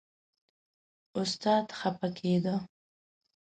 استاد خپه کېده.